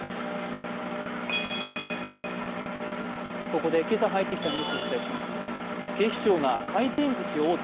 ここで今朝入ってきたニュースをお伝えします。